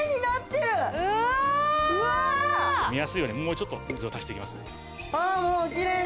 見やすいようにもうちょっと水を足していきますね。